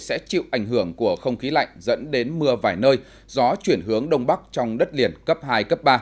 sẽ chịu ảnh hưởng của không khí lạnh dẫn đến mưa vài nơi gió chuyển hướng đông bắc trong đất liền cấp hai cấp ba